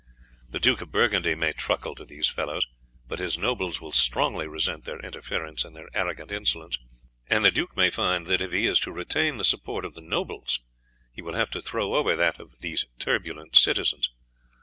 The Duke of Burgundy may truckle to these fellows, but his nobles will strongly resent their interference and their arrogant insolence, and the duke may find that if he is to retain their support he will have to throw over that of these turbulent citizens.